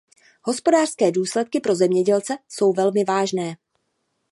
Hospodářské důsledky pro zemědělce jsou velmi vážné.